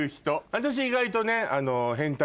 私意外とね。